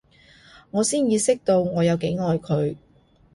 我先意識到我有幾愛佢